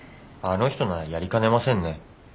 あの人ならやりかねませんね